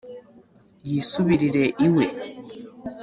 yisubirire iwe